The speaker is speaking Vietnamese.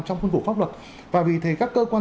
trong khuôn khổ pháp luật và vì thế các cơ quan